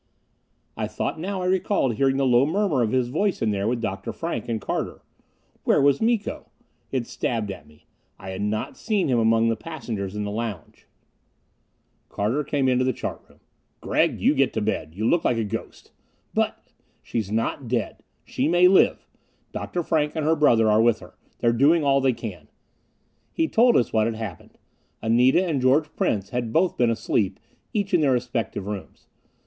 I thought now I recalled hearing the low murmur of his voice in there with Dr. Frank and Carter. Where was Miko? It stabbed at me. I had not seen him among the passengers in the lounge. Carter came into the chart room. "Gregg, you get to bed you look like a ghost!" "But " "She's not dead she may live. Dr. Frank and her brother are with her. They're doing all they can." He told us what had happened. Anita and George Prince had both been asleep, each in their respective rooms.